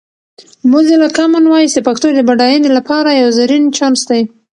موزیلا کامن وایس د پښتو د بډاینې لپاره یو زرین چانس دی.